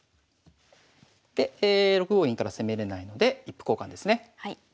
で６五銀から攻めれないので一歩交換ですね。